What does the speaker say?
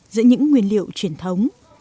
giữa những nguyên liệu truyền thống